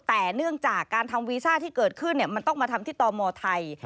แต่เนื่องจากการทำวีซ่าที่เกิดขึ้นมันต้องมาทำที่ตมไทย